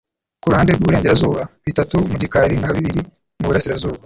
kuruhande rwiburengerazuba bitatu mu gikari na bibiri muburasirazuba